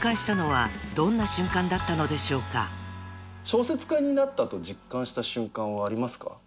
小説家になったと実感した瞬間はありますか？